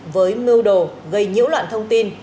với mưu đồ gây nhiễu loạn thông tin